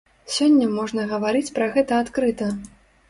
Сёння можна гаварыць пра гэта адкрыта.